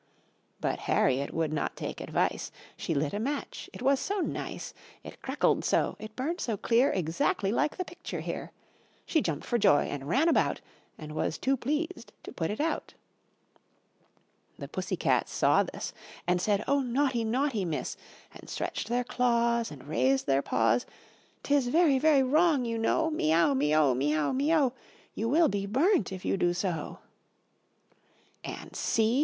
But Harriet would not take advice: She lit a match, it was so nice! It crackled so, it burned so clear Exactly like the picture here. She jumped for joy and ran about And was too pleased to put it out. The Pussy cats saw this And said: "Oh, naughty, naughty Miss!" And stretched their claws, And raised their paws: "'Tis very, very wrong, you know, Me ow, me o, me ow, me o, You will be burnt, if you do so." And see!